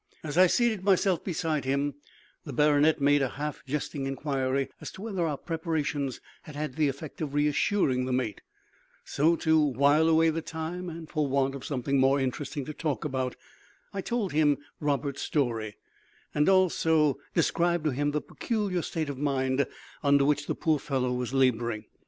As I seated myself beside him the baronet made a half jesting inquiry as to whether our preparations had had the effect of reassuring the mate; so, to while away the time, and for want of something more interesting to talk about, I told him Roberts's story, and also described to him the peculiar state of mind under which the poor fellow was labouring.